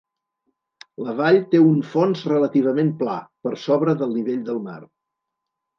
La vall té un fons relativament pla per sobre del nivell del mar.